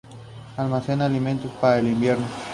Actualmente es la sede de la Casa de la Literatura Peruana.